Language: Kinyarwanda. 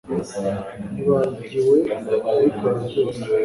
nibagiwe kubikora ryose